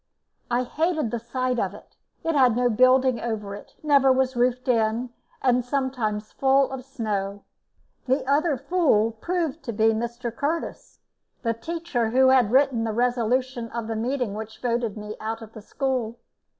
I hated the sight of it. It had no building over it, never was roofed in, and was sometimes full of snow. The other fool proved to be Mr. Curtis, the teacher who had written the resolution of the meeting which voted me out of the school.